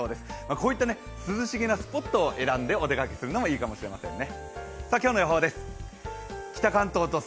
こういった涼しげなスポットを選んでお出かけするのもいいかもしれませんね。